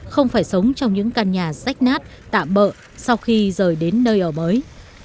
không phải sống trong những căn nhà rách nát tạm bỡ sau khi rời đến nơi ở mới